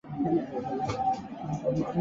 他同时是一名废奴主义者和女权拥护者。